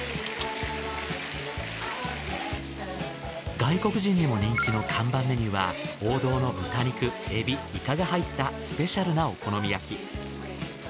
外国人にも人気の看板メニューは王道の豚肉エビイカが入ったスペシャルなお好み焼き。